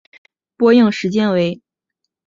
播映时间为。